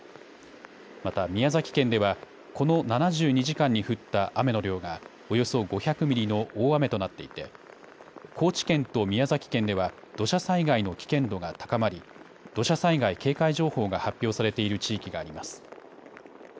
また宮崎県ではこの７２時間に降った雨の量がおよそ５００ミリの大雨となっていて高知県と宮崎県では土砂災害の危険度が高まり、土砂災害警戒情報が発表されている地域があります。